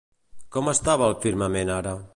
Com estava el firmament ara?